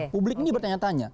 publik ini bertanya tanya